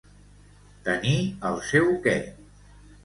Tenir el seu què.